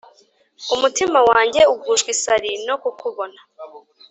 Umutima wanjye ugushwa isari nokukubona